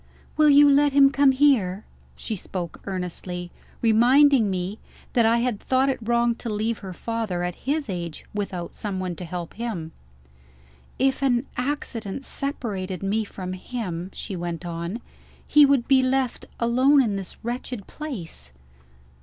"Will you let him come here?" She spoke earnestly; reminding me that I had thought it wrong to leave her father, at his age, without someone to help him. "If an accident separated me from him," she went on, "he would be left alone in this wretched place."